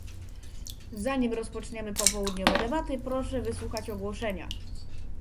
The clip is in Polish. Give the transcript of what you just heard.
Zanim rozpoczniemy popołudniowe debaty, proszę wysłuchać ogłoszenia